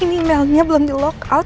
ini nomernya belum di lock out